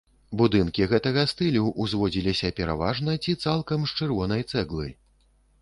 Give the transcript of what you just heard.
Будынкі гэтага стылю ўзводзіліся пераважна ці цалкам з чырвонай цэглы.